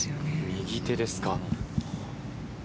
右手ですか。